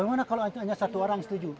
bagaimana kalau hanya satu orang setuju